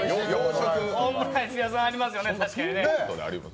オムライス屋さん、ありますよね、確かにね。